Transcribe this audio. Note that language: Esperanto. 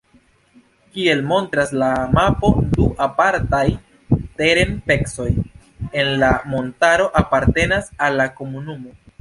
Kiel montras la mapo, du apartaj teren-pecoj en la montaro apartenas al la komunumo.